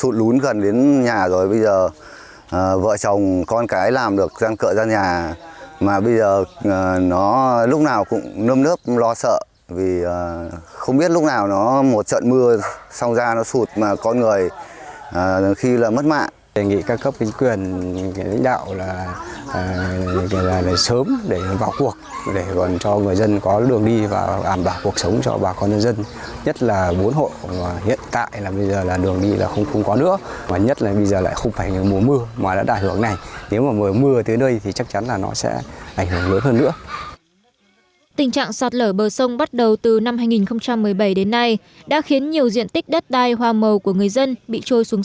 tình trạng sạt lở bờ sông bắt đầu từ năm hai nghìn một mươi bảy đến nay đã khiến nhiều diện tích đất đai hoa màu của người dân bị trôi xuống